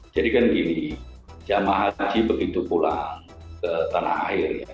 jadi kan gini jemaah haji begitu pulang ke tanah air